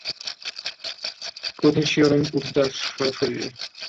ক্রোধের শিহরণ ওঠে তার সারা শরীরে।